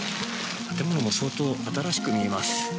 建物も相当新しく見えます。